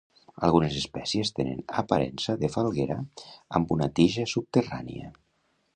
Algunes espècies tenen aparença de falguera amb una tija subterrània.